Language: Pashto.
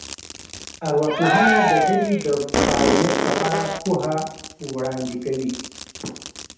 ارواپوهنه د ژبې د فعالیت په اړه پوهه وړاندې کوي